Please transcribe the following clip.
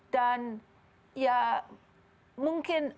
dan ya mungkin